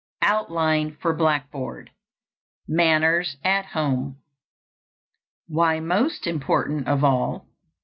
OUTLINE FOR BLACKBOARD. MANNERS AT HOME. _Why most important of all.